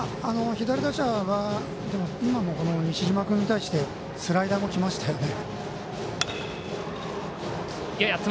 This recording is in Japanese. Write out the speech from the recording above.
左打者は今も西嶋君に対してスライダーもきましたよね。